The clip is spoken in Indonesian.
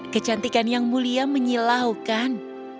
kecantikan yang mulia menyilaukan